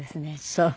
そう。